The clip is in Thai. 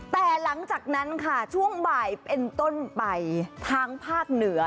แต่หลังจากนั้นค่ะช่วงบ่ายเป็นต้นไปทางภาคเหนือ